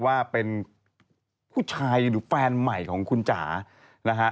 ว่าเป็นผู้ชายหรือแฟนใหม่ของคุณจ๋านะฮะ